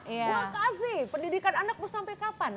gue kasih pendidikan anak lo sampai kapan